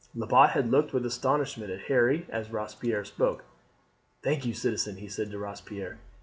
Lebat had looked with astonishment at Harry as Robespierre spoke. "Thank you, citizen," he said to Robespierre.